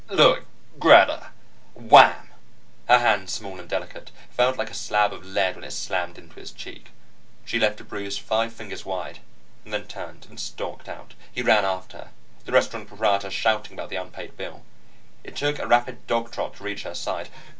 "Look, Greta " Wham! Her hand, small and delicate, felt like a slab of lead when it slammed into his cheek. She left a bruise five fingers wide, and then turned and stalked out. He ran after her, the restaurant proprietor shouting about the unpaid bill. It took a rapid dog trot to reach her side.